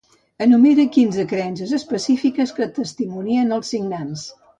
Enumera quinze creences específiques que testimonien els signants.